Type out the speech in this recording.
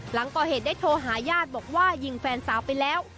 หลังก่อเหตุได้โทรหาญาติบอกว่ายิงแฟนสาวไปแล้ว